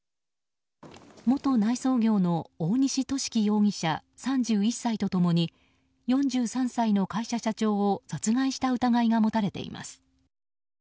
元内装業の大西寿貴容疑者３１歳と共に４３歳の会社社長を殺害した疑いが持たれています。